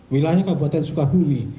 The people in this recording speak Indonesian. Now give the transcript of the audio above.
wilayah kabupaten sukabumi